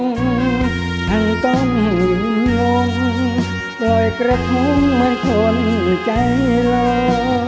ฉันต้องยืนยงรอยกระทงมันคนใจแล้ว